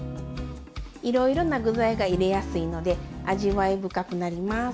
いろいろな具材が入れやすいので味わい深くなります。